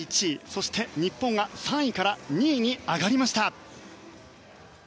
そして日本が３位から２位に上がりました。